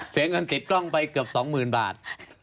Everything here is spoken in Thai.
เสียเงินติดกล้องไปเกือบ๒๐๐๐บาท